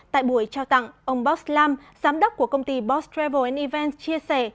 tại buổi trao tặng ông boss lam giám đốc của công ty boss travel events chia sẻ